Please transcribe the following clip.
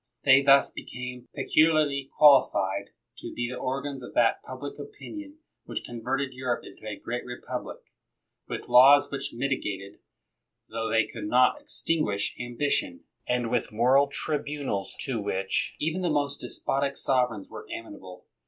They thus became peculiarly quali fied to be the organs of that public opinion which converted Europe into a great republic, with laws which mitigated, tho they could not extinguish, ambition; and with moral tribunals to which even the most despotic sovereigns were amenable.